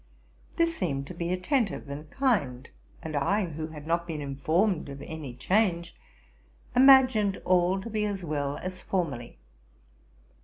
This seemed to be attentive and kind; and I who had not been informed of any change, imagined all to be as well as formerly.